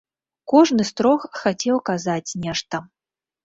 Кожны з трох хацеў казаць нешта.